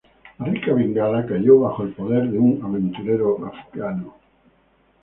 La rica Bengala cayó bajo el poder de un aventurero afgano.